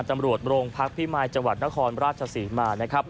จำรวจโรงพรรคพี่ไมล์จังหวัดนครราชศรีมานะครับ